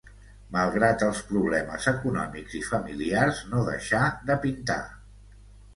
Malgrat els problemes econòmics i familiars, no deixà de pintar.